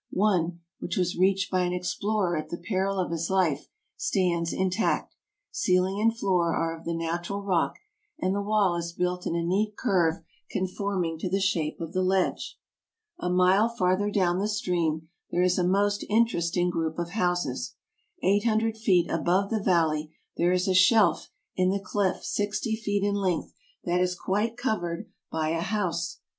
One, which was reached by an explorer at the peril of his life, stands intact ; ceiling and floor are of the natural rock, and the wall is built in a neat curve conforming to the shape of the ledge. A mile farther down the stream there is a most interest AMERICA 57 ing group of houses. Eight hundred feet above the valley there is a shelf in the cliff sixty feet in length that is quite covered by a house.